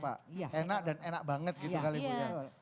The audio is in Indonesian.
tidak ada makanan yang enak dan enak banget gitu kali ya